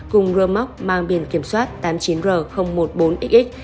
cùng rơ móc mang biển kiểm soát tám mươi chín r một mươi bốn xx